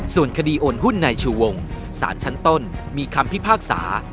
ส่วนคดีโอนหุ้นนายชูวงสารชั้นต้นมีคำพิพากษา